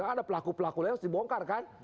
ada pelaku pelaku lain harus dibongkar kan